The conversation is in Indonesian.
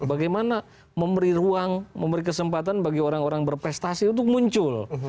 bagaimana memberi ruang memberi kesempatan bagi orang orang berprestasi untuk muncul